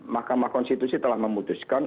mahkamah konstitusi telah memutuskan